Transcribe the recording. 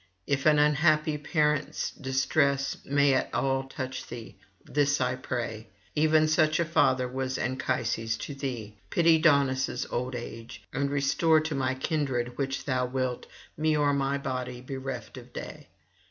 If an unhappy parent's distress may at all touch thee, this I pray; even such a father was Anchises to thee; pity Daunus' old age, and restore to my kindred which thou wilt, me or my body bereft of day.